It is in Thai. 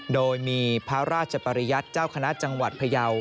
โดยมีพระราชปริยัติเจ้าคณะจังหวัดพยาว